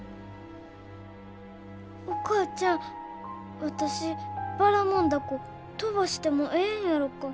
お母ちゃん私ばらもん凧飛ばしてもええんやろか？